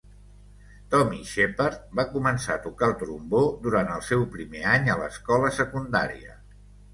Tommy Shepard va començar a tocar el trombó durant el seu primer any a l'escola secundària.